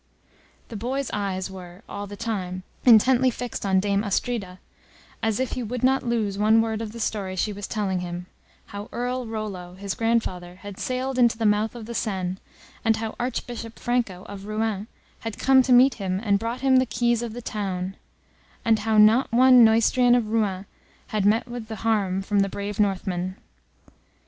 The boy's eyes were, all the time, intently fixed on Dame Astrida, as if he would not lose one word of the story she was telling him; how Earl Rollo, his grandfather, had sailed into the mouth of the Seine, and how Archbishop Franco, of Rouen, had come to meet him and brought him the keys of the town, and how not one Neustrian of Rouen had met with harm from the brave Northmen.